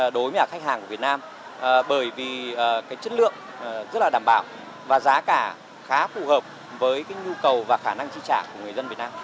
đối với khách hàng của việt nam bởi vì chất lượng rất đảm bảo và giá cả khá phù hợp với nhu cầu và khả năng trị trả của người dân việt nam